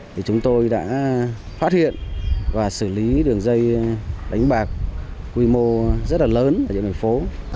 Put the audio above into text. thì chúng tôi đã phát hiện và xử lý đường dây đánh bạc quy mô rất là lớn ở địa bàn phố